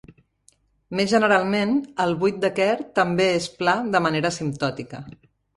Més generalment, el buit de Kerr també és pla de manera asimptòtica.